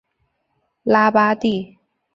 拉巴蒂。